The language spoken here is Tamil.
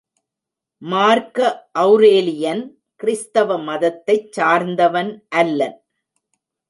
மார்க்க ஒளரேலியன் கிறிஸ்தவ மதத்தைச் சார்ந்தவன் அல்லன்.